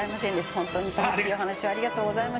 本当に楽しいお話をありがとうございました。